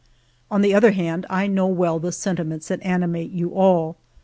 On the other hand, I know well the sentiments that animate you all.